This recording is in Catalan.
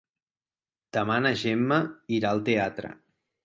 Demà na Gemma irà al teatre.